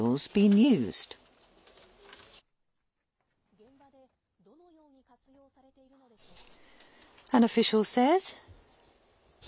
現場で、どのように活用されているのでしょうか。